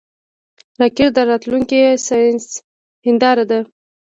راکټ د راتلونکي ساینس هنداره ده